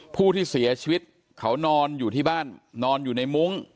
ผู้ที่เสียชีวิตเขานอนอยู่ที่บ้านนอนอยู่ในมุ้ง